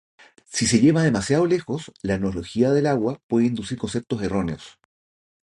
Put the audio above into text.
Si se lleva demasiado lejos, la analogía del agua puede inducir conceptos erróneos.